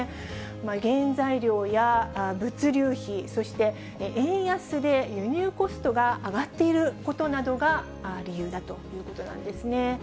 原材料や物流費、そして円安で輸入コストが上がっていることなどが理由だということなんですね。